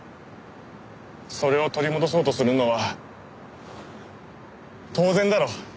それを取り戻そうとするのは当然だろ？